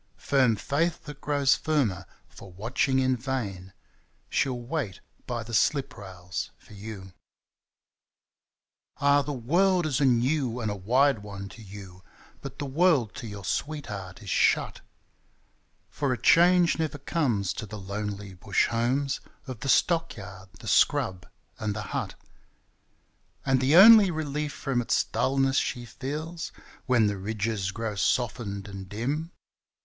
Firm faith that grows firmer for watching in vain — Shell wait by the slip rails for you. 16 THB BUSH GIRL 17 Ah ! tiie world is a new and a wide one to yon, But the world to your sweetheart is shut^ For a change never comes to the lonely Bush homes Of the stockyard, the scrub, and the hut ; And the only relief from its dulness she feels « When the ridges grow softened and dim.